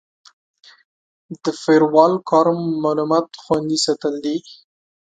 د فایروال کار معلومات خوندي ساتل دي.